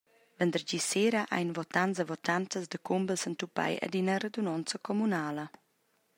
Vendergis sera ein votantas e votants da Cumbel s’entupai ad ina radunonza communala.